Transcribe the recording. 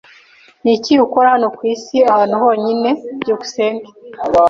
Niki ukora hano kwisi ahantu honyine? byukusenge